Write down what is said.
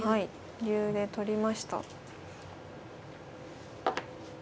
竜で取りました。